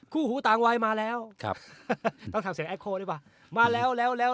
หูหูต่างวายมาแล้วครับต้องทำเสียงได้ป่ะมาแล้วแล้วแล้ว